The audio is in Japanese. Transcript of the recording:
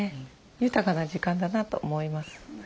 豊かな時間だなと思います。